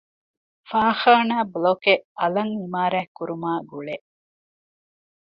ފާޚާނާ ބްލޮކެއް އަލަށް އިމާރާތް ކުރުމާގުޅޭ